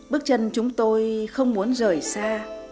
bước chân chúng tôi không muốn rời xa